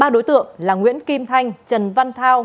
ba đối tượng là nguyễn kim thanh trần văn thao